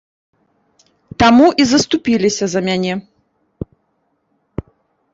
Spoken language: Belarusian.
Таму і заступіліся за мяне.